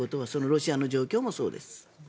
ロシアの状況もそうです。